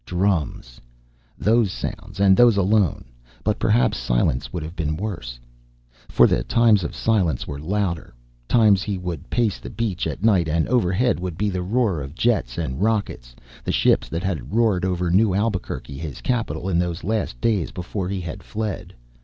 Drums. Those sounds, and those alone. But perhaps silence would have been worse. For the times of silence were louder. Times he would pace the beach at night and overhead would be the roar of jets and rockets, the ships that had roared over New Albuquerque, his capitol, in those last days before he had fled.